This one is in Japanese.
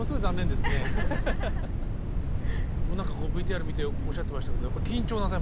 でも何かこうＶＴＲ見ておっしゃってましたけどいや